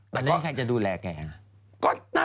แต่ตอนนี้ใครจะดูแลแกล่ะ